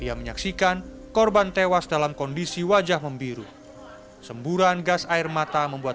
ia menyaksikan korban tewas dalam kondisi wajah membiru semburan gas air mata membuat